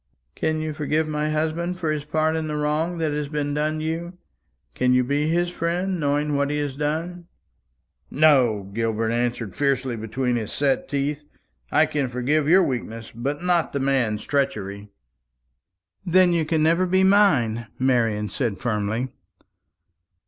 "Can you forgive my husband for his part in the wrong that has been done you? Can you be his friend, knowing what he has done?" "No!" Gilbert answered fiercely between his set teeth. "I can forgive your weakness, but not the man's treachery." "Then you can never be mine," Marian said firmly.